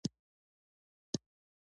بېرته د سوټو کولونیلو خواته راځې.